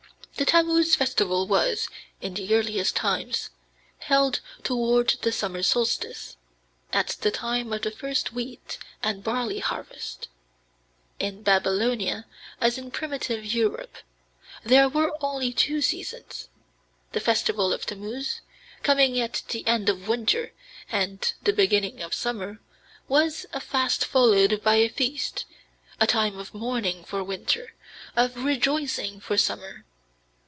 The Tammuz festival was, in the earliest times, held toward the summer solstice, at the time of the first wheat and barley harvest. In Babylonia, as in primitive Europe, there were only two seasons; the festival of Tammuz, coming at the end of winter and the beginning of summer, was a fast followed by a feast, a time of mourning for winter, of rejoicing for summer.